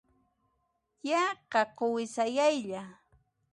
Yaqa quwi sayaylla.